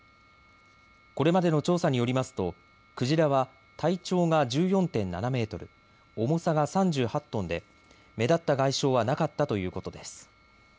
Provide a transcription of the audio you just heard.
これまでの調査によりますとクジラは体長が１４．７メートル、重さが３８トンで目立った外傷はなかったということです。